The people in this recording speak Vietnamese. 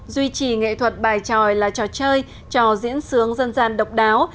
duy trì nghệ thuật bài tròi là trò chơi trò diễn sướng dân gian độc đáo